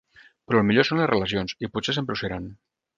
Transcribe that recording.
Però el millor són les relacions, i potser sempre ho seran.